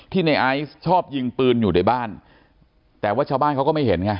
ในไอซ์ชอบยิงปืนอยู่ในบ้านแต่ว่าชาวบ้านเขาก็ไม่เห็นไง